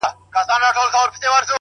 خو دوى يې د مريد غمى د پير پر مخ گنډلی.